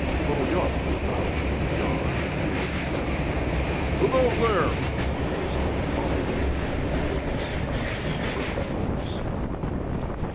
Korolyov went out of the yard into the open country. "Who goes there?" some one called to him at the gates in an abrupt voice.